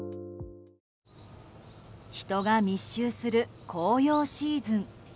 人が密集する紅葉シーズン。